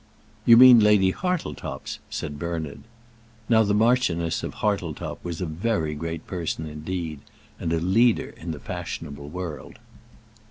"You mean Lady Hartletop's," said Bernard. Now, the Marchioness of Hartletop was a very great person indeed, and a leader in the fashionable world.